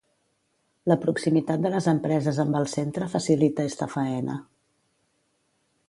La proximitat de les empreses amb el centre facilita esta faena.